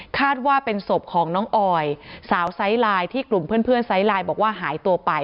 ว่าเป็นศพของน้องออยสาวไซส์ไลน์ที่กลุ่มเพื่อนไซส์ไลน์บอกว่าหายตัวไป